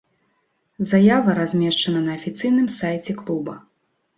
Заява размешчана на афіцыйным сайце клуба.